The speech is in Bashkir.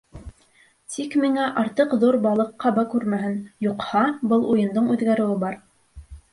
Тик миңә артыҡ ҙур балыҡ ҡаба күрмәһен, юҡһа, был уйындың үҙгәреүе бар.